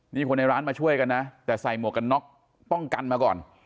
นี่คนในร้านมาช่วยกันนะแต่ใส่หมวกกันน็อกป้องกันมาก่อน